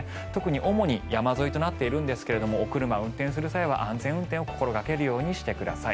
主に山沿いとなっているんですがお車を運転する際は安全運転を心掛けるようにしてください。